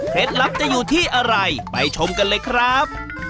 ลับจะอยู่ที่อะไรไปชมกันเลยครับ